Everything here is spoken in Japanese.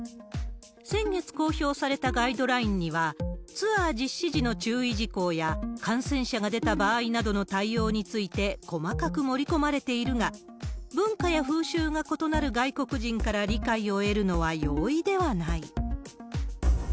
先月公表されたガイドラインには、ツアー実施時の注意事項や感染者が出た場合などの対応について、細かく盛り込まれているが、文化や風習が異なる外国人から理解を得るのは容易ではない。